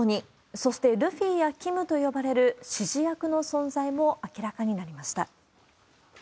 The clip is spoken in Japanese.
そして、ルフィやＫＩＭと呼ばれる指示役の存在も明らかになりました。